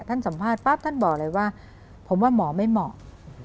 สัมภาษณ์ปั๊บท่านบอกเลยว่าผมว่าหมอไม่เหมาะ